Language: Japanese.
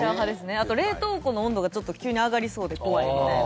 あと、冷凍庫の温度がちょっと急に上がりそうで怖いみたいな。